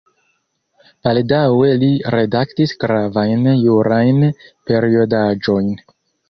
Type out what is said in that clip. Baldaŭe li redaktis gravajn jurajn periodaĵojn.